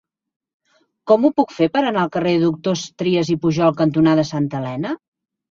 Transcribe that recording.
Com ho puc fer per anar al carrer Doctors Trias i Pujol cantonada Santa Elena?